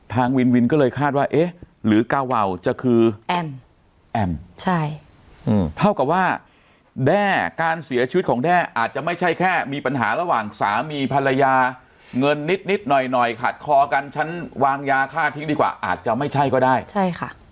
ทางวินวินก็เลยคาดว่าเอ๊ะหรือกาวาวจะคือแอมแอมใช่อืมเท่ากับว่าแด้การเสียชีวิตของแด้อาจจะไม่ใช่แค่มีปัญหาระหว่างสามีภรรยาเงินนิดนิดหน่อยหน่อยขาดคอกันฉันวางยาฆ่าทิ้งดีกว่าอาจจะไม่ใช่ก็ได้ใช่ค่ะ